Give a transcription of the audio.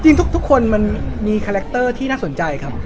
จริงทุกคนมันมีคาแรคเตอร์ที่น่าสนใจครับ